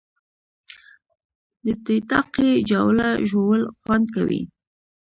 د ټیټاقې جاوله ژوول خوند کوي